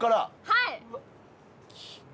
はい！